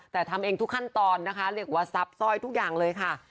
แต่ทำเองทุกขั้นตอนนะคะเรียกว่าซับซ่อยทุกอย่างเลยค่ะ